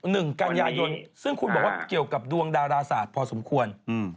หนึ่งกันยายนซึ่งคุณบอกว่าเกี่ยวกับดวงดาราศาสตร์พอสมควรอืม